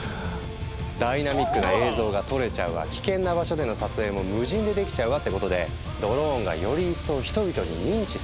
ダイナミックな映像が撮れちゃうわ危険な場所での撮影も無人でできちゃうわってことでドローンがより一層人々に認知されていったの。